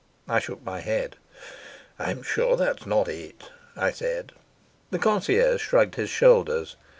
I shook my head. "I'm sure that's not it," I said. The concierge shrugged his shoulders.